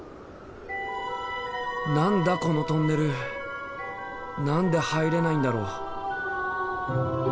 何だこのトンネル何で入れないんだろう。